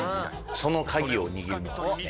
その鍵を握るのはですね